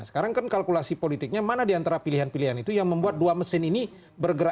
sekarang kan kalkulasi politiknya mana diantara pilihan pilihan itu yang membuat dua mesin ini bergerak